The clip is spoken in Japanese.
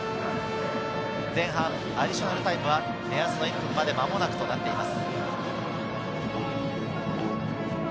前半アディショナルタイムは目安の１分まで、間もなくです。